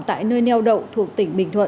tại nơi neo đậu thuộc tỉnh bình thuận